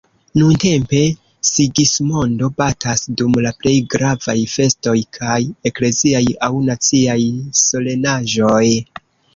Nuntempe "Sigismondo" batas dum la plej gravaj festoj kaj ekleziaj aŭ naciaj solenaĵoj.